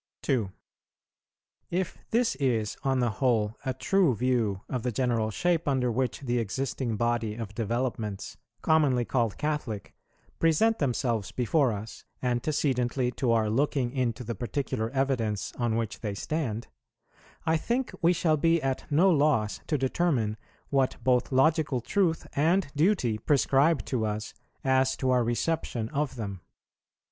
2. If this is, on the whole, a true view of the general shape under which the existing body of developments, commonly called Catholic, present themselves before us, antecedently to our looking into the particular evidence on which they stand, I think we shall be at no loss to determine what both logical truth and duty prescribe to us as to our reception of them.